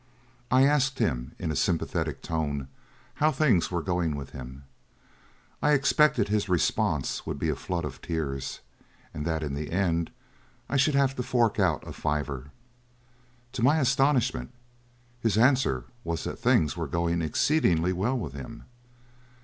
I asked him, in a sympathetic tone, how things were going with him. I expected his response would be a flood of tears, and that in the end I should have to fork out a fiver. To my astonishment, his answer was that things were going exceedingly well with him.